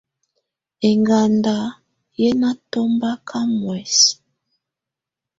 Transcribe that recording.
Ɛŋgándà yɛ́ ná tɔ̀mbaká muɛsɛ.